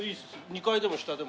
２階でも下でも。